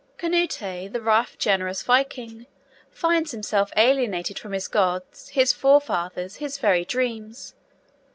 Canute, the rough generous Viking, finds himself alienated from his gods, his forefathers, his very dreams.